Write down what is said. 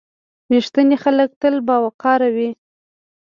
• رښتیني خلک تل باوقاره وي.